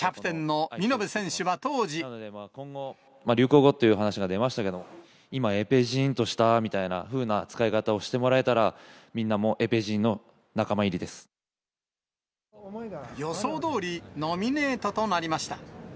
今後、流行語という話が出ましたけれども、今、エペジーーンとしたというふうな使い方をしてもらえたら、みんな予想どおりノミネートとなりました。